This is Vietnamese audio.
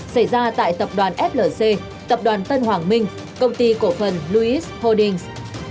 xảy ra tại tập đoàn flc tập đoàn tân hoàng minh công ty cổ phần louis holdings